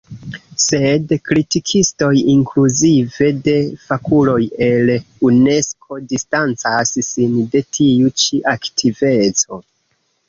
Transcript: Sed kritikistoj, inkluzive de fakuloj el Unesko, distancas sin de tiu ĉi aktiveco.